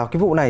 cái vụ này